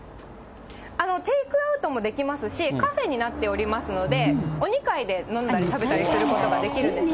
テイクアウトもできますし、カフェになっておりますので、お２階で飲んだり食べたりすることができるんですね。